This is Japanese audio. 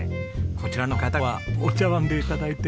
こちらの方はお茶わんで頂いて。